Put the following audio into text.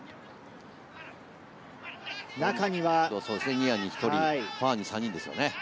ニアに１人、ファーに３人ですよね。